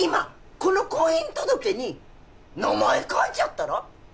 この婚姻届に名前書いちゃったら？